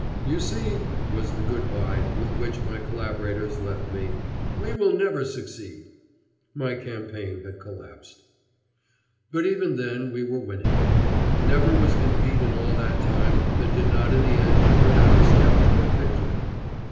"You see," was the good by with which my colaborers left me, "we will never succeed." My campaign had collapsed. But even then we were winning. Never was defeat in all that time that did not in the end turn out a step toward victory.